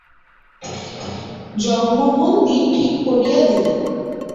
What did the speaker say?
জগমোহন দিন ঠিক করিয়া দিলেন।